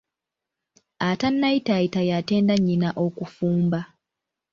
Atannayitaayita y’atenda nnyina okufumba.